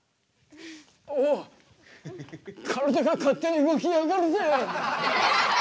おお体が勝手に動きやがるぜ。